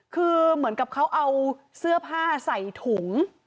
คือเหมือนกับเขาเอาเสื้อผ้าใส่ถุง